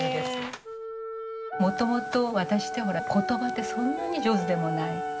もともと私ってほら言葉ってそんなに上手でもない。